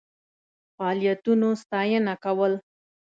فعالیتونو ستاینه کول.